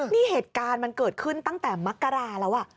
นี่เหตุการณ์มันเกิดขึ้นตั้งแต่มกราแล้ว